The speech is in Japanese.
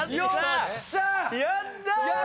やった！